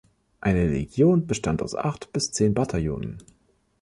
Eine „Legion“ bestand aus acht bis zehn Bataillonen.